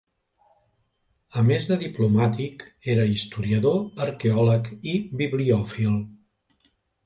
A més de diplomàtic, era historiador, arqueòleg i bibliòfil.